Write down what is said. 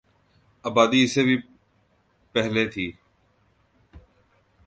آبادی اس سے بھی پہلے تھی